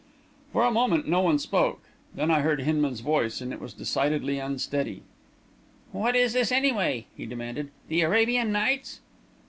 For a moment, no one spoke; then I heard Hinman's voice, and it was decidedly unsteady. "What is this, anyway?" he demanded. "The Arabian Nights?"